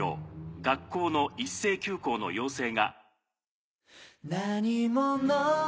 学校の一斉休校の要請が。